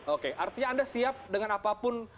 oke artinya anda siap dengan apapun